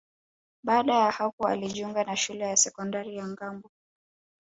Baada ya hapo alijiunga na Shule ya Sekondari ya Ngambo